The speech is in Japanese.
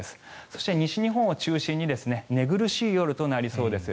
そして、西日本を中心に寝苦しい夜となりそうです。